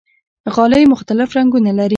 غالۍ مختلف رنګونه لري.